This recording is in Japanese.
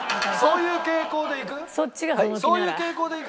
そういう傾向でいく？